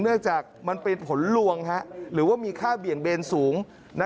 เนื่องจากมันเป็นผลลวงหรือว่ามีค่าเบี่ยงเบนสูง